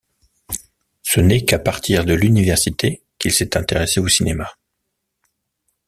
Ce n'est qu'à partir de l'université qu'il s'est intéressé au cinéma.